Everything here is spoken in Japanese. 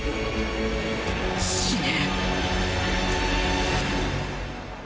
死ね。